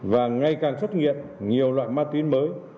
và ngày càng xuất nghiện nhiều loại ma túy mới